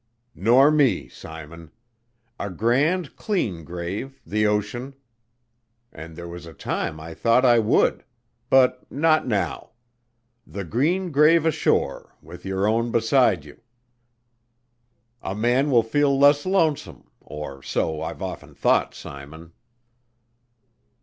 "Nor me, Simon. A grand, clean grave, the ocean, and there was a time I thought I would; but not now. The green grave ashore, with your own beside you a man will feel less lonesome, or so I've often thought, Simon.